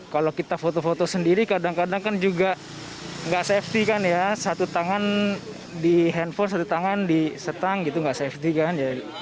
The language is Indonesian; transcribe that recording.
kalau kita foto foto sendiri kadang kadang kan juga nggak safety kan ya satu tangan di handphone satu tangan di setang gitu nggak safety kan